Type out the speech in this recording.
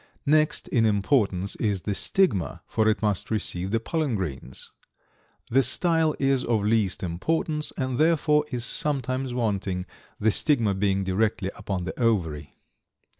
Next in importance is the stigma, for it must receive the pollen grains. The style is of least importance, and therefore is sometimes wanting, the stigma being directly upon the ovary.